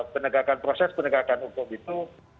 penegakan proses penegakan hukum itu